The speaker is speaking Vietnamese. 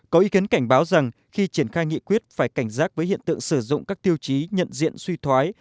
có ý kiến cảnh báo rằng khi triển khai nghị quyết phải cảnh giác với hiện tượng sử dụng các tiêu chí nhận diện suy thoái